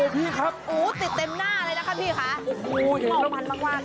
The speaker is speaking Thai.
ติดเต็มหน้าเลยด้วยนะครับพี่ค่ะ